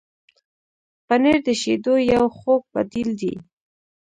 پنېر د شیدو یو خوږ بدیل دی.